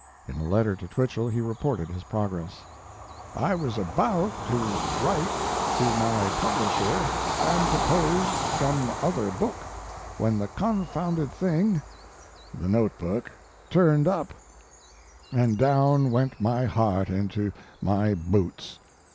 In a letter to Twichell he reported his progress: I was about to write to my publisher and propose some other book, when the confounded thing [the note book] turned up, and down went my heart into my boots.